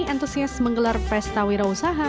antusias menggelar pesta wira usaha